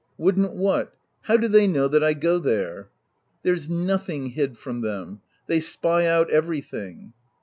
" Would'nt what ?— How do they know that I go there ?" "There's nothing hid from them : they spy out everything."